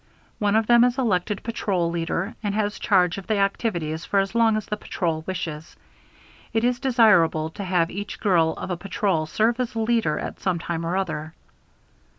One of them is elected patrol leader and has charge of the activities for as long as the patrol wishes. It is desirable to have each girl of a patrol serve as a leader at some time or other.